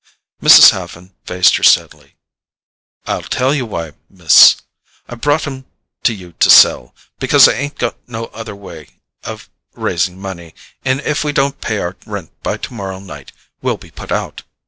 Mrs. Haffen faced her steadily. "I'll tell you why, Miss. I brought 'em to you to sell, because I ain't got no other way of raising money, and if we don't pay our rent by tomorrow night we'll be put out.